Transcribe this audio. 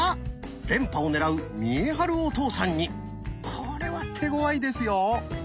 これは手ごわいですよ。